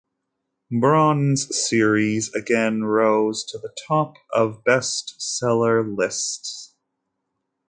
Braun's series again rose to the top of best seller lists.